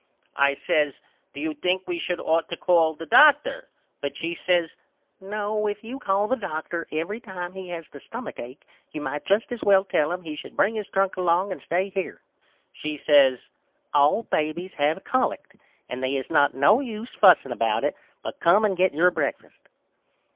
I says Do you think we should ought to call the doctor but she says No if you call the doctor every time he has the stumach acke you might just as well tell him he should bring his trunk along and stay here. She says All babys have collect and they is not no use fusing about it but come and get your breakfast.